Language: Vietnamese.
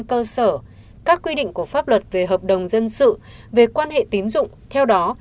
cơ sở các quy định của pháp luật về hợp đồng dân sự về quan hệ tín dụng theo đó